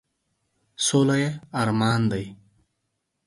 سوله یې ارمان دی ،.